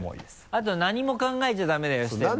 あと何も考えちゃダメだよ捨てるまで。